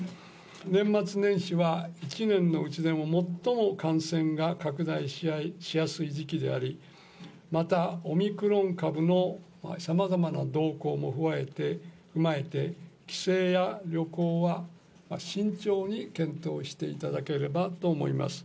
年末年始は一年のうちでも最も感染が拡大しやすい時期であり、またオミクロン株のさまざまな動向も踏まえて、帰省や旅行は慎重に検討していただければと思います。